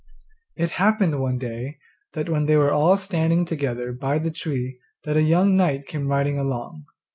It happened one day that when they were all standing together by the tree that a young knight came riding along.